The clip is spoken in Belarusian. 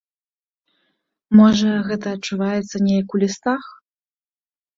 Можа, гэта адчуваецца неяк у лістах?